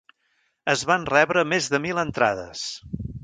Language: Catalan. Es van rebre més de mil entrades.